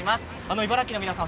茨城の皆さん